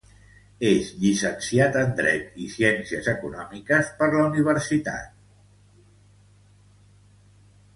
És llicenciat en Dret i Ciències Econòmiques per la Universitat Complutense de Madrid.